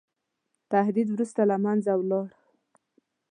تهدید وروسته له منځه ولاړ.